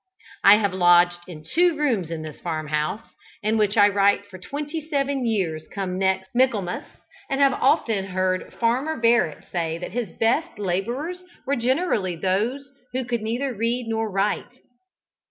I have lodged in two rooms in this farmhouse in which I write for twenty seven years come next Michaelmas, and I have often heard farmer Barrett say that his best labourers were generally those who could neither read nor write.